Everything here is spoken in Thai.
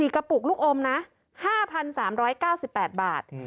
กระปุกลูกอมนะ๕๓๙๘บาท